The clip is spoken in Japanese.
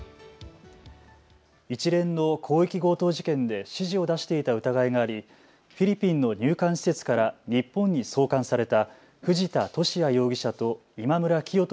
一連の広域強盗事件で指示を出していた疑いがありフィリピンの入管施設から日本に送還された藤田聖也容疑者と今村磨人